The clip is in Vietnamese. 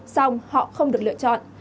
xong họ không được lựa chọn